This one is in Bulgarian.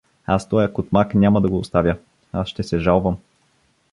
Аз тоя Кутмак няма да го оставя, аз ще се жалвам.